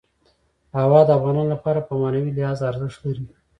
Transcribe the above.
هوا د افغانانو لپاره په معنوي لحاظ ارزښت لري.